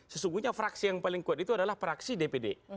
sesungguhnya fraksi yang paling kuat itu adalah fraksi dpd